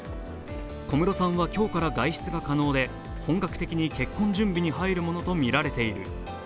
小室さんは今日から外出が可能で本格的に結婚準備に入るものとみられている。